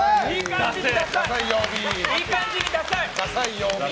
いい感じにダサい。